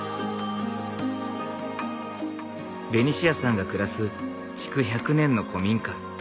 ベニシアさんが暮らす築１００年の古民家。